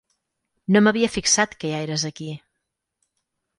No m'havia fixat que ja eres aquí.